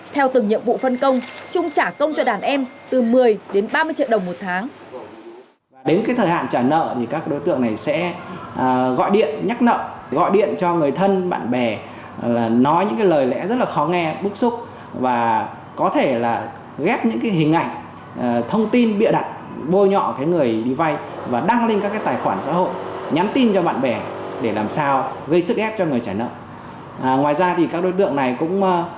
theo từng nhiệm vụ phân công trung trả công cho đàn em từ một mươi đến ba mươi triệu đồng một tháng